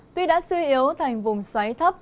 tuy đã suy yếu thành vùng xoáy thấp